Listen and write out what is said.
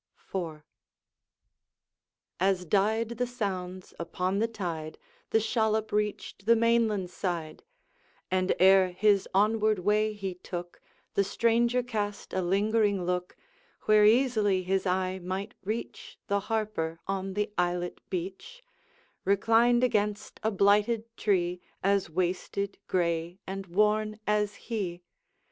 IV. As died the sounds upon the tide, The shallop reached the mainland side, And ere his onward way he took, The stranger cast a lingering look, Where easily his eye might reach The Harper on the islet beach, Reclined against a blighted tree, As wasted, gray, and worn as he.